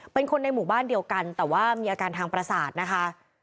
เป็นคนในหมู่บ้านเดียวกันแต่ว่ามีอาการทางประสาทนะคะ